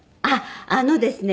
あのですね